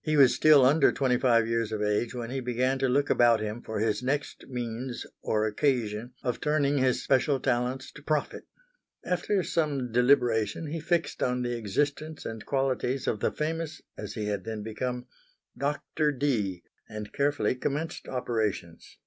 He was still under twenty five years of age when he began to look about him for his next means or occasion of turning his special talents to profit. After some deliberation he fixed on the existence and qualities of the famous (as he had then become) Doctor Dee, and carefully commenced operations.